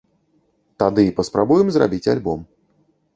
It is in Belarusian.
Тады і паспрабуем зрабіць альбом.